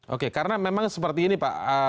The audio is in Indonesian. oke karena memang seperti ini pak